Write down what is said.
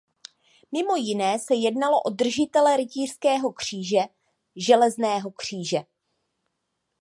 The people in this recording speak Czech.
Mimo jiné se jednalo o držitele rytířského kříže Železného kříže.